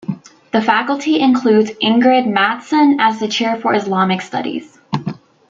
The Faculty includes Ingrid Mattson as the Chair for Islamic Studies.